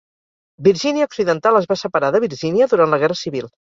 Virgínia Occidental es va separar de Virgínia durant la Guerra Civil.